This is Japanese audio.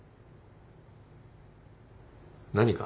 何か？